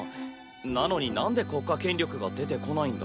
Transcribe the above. なのになんで国家権力が出てこないんだ？